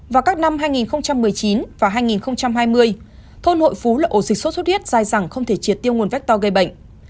vào các năm hai nghìn một mươi chín và hai nghìn hai mươi thôn hội phú lộ dịch sốt huyết dài rằng không thể triệt tiêu nguồn vector gây bệnh